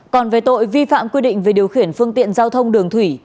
còn về tội vi phạm quy định về điều khiển phương tiện giao thông đường thủy